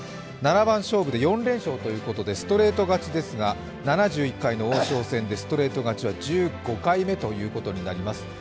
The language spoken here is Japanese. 七番勝負で４連勝ということでストレート勝ちですが、ストレート勝ちは１５回目ということになります。